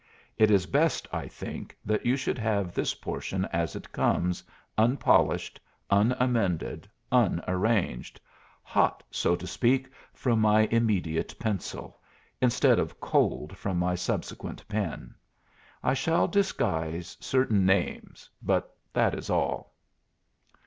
It is best, I think, that you should have this portion as it comes, unpolished, unamended, unarranged hot, so to speak, from my immediate pencil, instead of cold from my subsequent pen. I shall disguise certain names, but that is all.